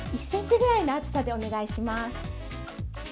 １ｃｍぐらいの厚さでお願いします。